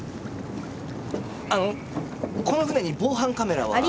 あのこの船に防犯カメラは？